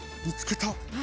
見つけた。